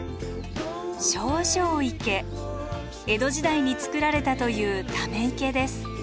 江戸時代につくられたというため池です。